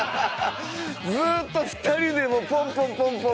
ずっと２人でポンポンポンポン。